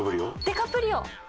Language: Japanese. ディカプリオ！